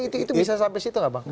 itu bisa sampai situ nggak bang